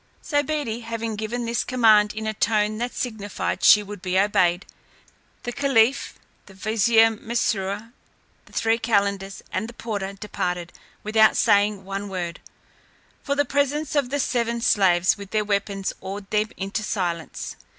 Zobeide having given this command in a tone that signified she would be obeyed, the caliph, the vizier Mesrour, the three calenders, and the porter departed, without saying one word: for the presence of the seven slaves with their weapons awed them into silence.